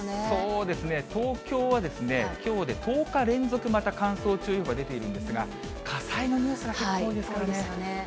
そうですね、東京はきょうで１０日連続、また乾燥注意報が出ているんですが、火災のニュースが結構多いですからね。